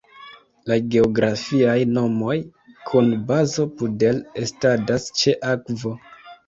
La geografiaj nomoj kun bazo Pudel estadas ĉe akvo.